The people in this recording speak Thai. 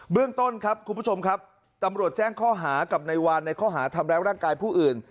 เรื่องต้นครับคุณผู้ชมครับตำรวจแจ้งข้อหากับนายวานในข้อหาทำร้ายร่างกายผู้อื่น